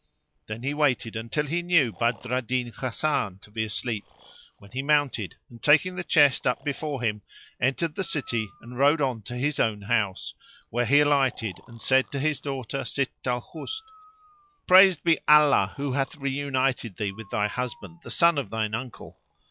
Then he waited until he knew Badr al Din "Hasan to be asleep, when he mounted; and taking the chest up before him, entered the city and rode on to his own house, where he alighted and said to his daughter, Sitt al Husn, "Praised be Allah who hath reunited thee with thy husband, the son of thine uncle!